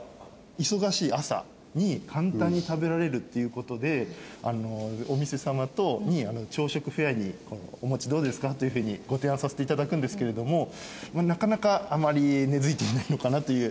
忙しい朝に簡単に食べられるっていう事でお店様に「朝食フェアにおもちどうですか？」というふうにご提案させて頂くんですけれどもなかなかあまり根付いていないのかなという。